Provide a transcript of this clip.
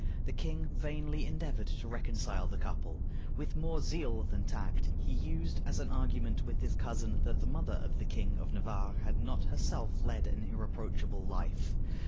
The king vainly endeavored to reconcile the couple. With more zeal than tact, he used as an argument with his cousin that the mother of the King of Navarre had not herself led an irreproachable life.